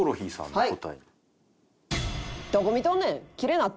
はい。